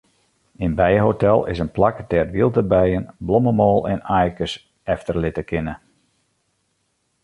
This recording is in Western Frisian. In bijehotel is in plak dêr't wylde bijen blommemoal en aaikes efterlitte kinne.